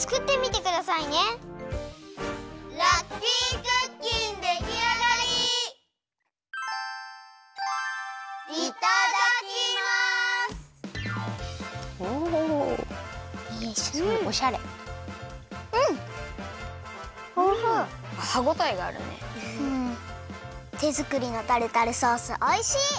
てづくりのタルタルソースおいしい！